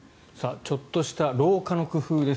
ちょっとした廊下の工夫です。